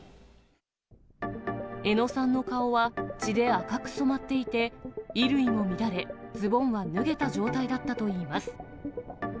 江野さんの顔は血で赤く染まっていて、衣類も乱れ、ズボンは脱げた状態だったといいます。